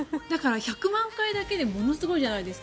１００万回だけですごいじゃないですか。